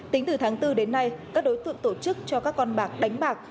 tính từ tháng bốn đến nay các đối tượng tổ chức cho các con bạc đánh bạc